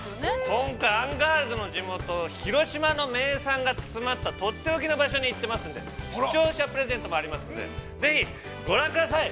◆今回、アンガールズの地元広島の名産が詰まったとっておきの場所に行ってますんで、視聴者プレゼンもありますんでぜひご覧ください。